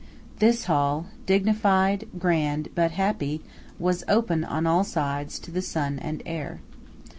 This hall, dignified, grand, but happy, was open on all sides to the sun and air.